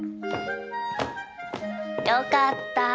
よかった！